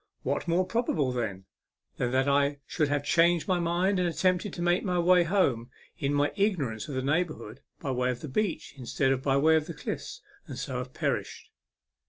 What more probable, then, than that I should have changed my mind, have attempted to make my way home in my ignorance of the neighbourhood, by way of the beach, instead of by way of the cliffs, and so have perished